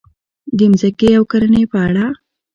د ځمکې او کرنې په اړه: